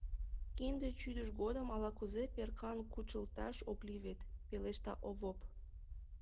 Кинде чӱдыж годым ала-кузе перкан кучылташ ок лий вет, — пелешта Овоп.